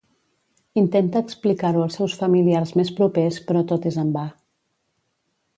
Intenta explicar-ho als seus familiars més propers però tot és en va.